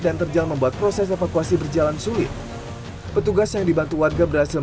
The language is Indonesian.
dan terjalin membuat proses evakuasi berjalan sulit petugas yang dibantu warga berhasil